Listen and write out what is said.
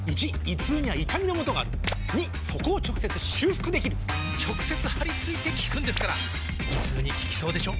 ①胃痛には痛みのもとがある②そこを直接修復できる直接貼り付いて効くんですから胃痛に効きそうでしょ？